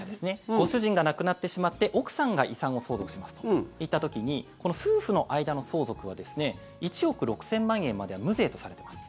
ご主人が亡くなってしまって奥さんが遺産を相続しますといった時にこの夫婦の間の相続は１億６０００万円までは無税とされています。